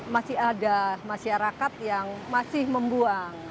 masih ada masyarakat yang masih membuang